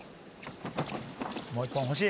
もう１本、欲しい。